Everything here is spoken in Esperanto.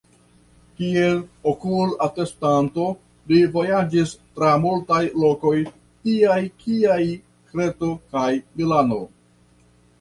Kiel okul-atestanto, li vojaĝis tra multaj lokoj tiaj kiaj Kreto kaj Milano.